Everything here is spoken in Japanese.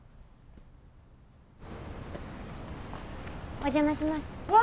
お邪魔します。わ！